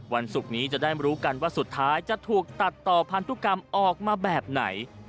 ศุกร์นี้จะได้รู้กันว่าสุดท้ายจะถูกตัดต่อพันธุกรรมออกมาแบบไหน